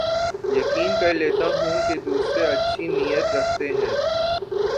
یقین کر لیتا ہوں کے دوسرے اچھی نیت رکھتے ہیں